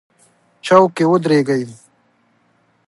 چوک کې ودرېږئ